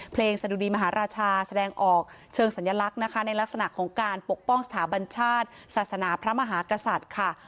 สะดุดีมหาราชาแสดงออกเชิงสัญลักษณ์นะคะในลักษณะของการปกป้องสถาบัญชาติศาสนาพระมหากษัตริย์ค่ะ